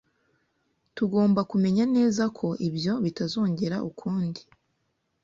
Tugomba kumenya neza ko ibyo bitazongera ukundi.